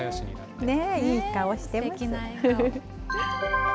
いい顔してます。